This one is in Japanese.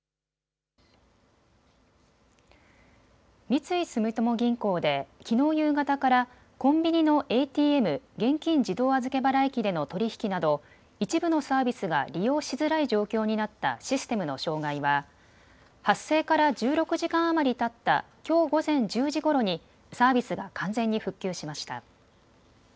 三井住友銀行できのう夕方からコンビニのＡＴＭ・現金自動預け払い機での取り引きなど一部のサービスが利用しづらい状況になったシステムの障害は発生から１６時間余りたったきょう午前１０時ごろにサービスが完全に復旧しました。